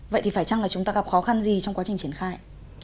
vậy thì phải chăng là chúng ta gặp khó khăn gì trong quá trình triển khai